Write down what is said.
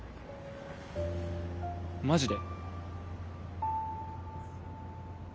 マジで？